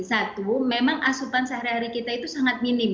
satu memang asupan sehari hari kita itu sangat minim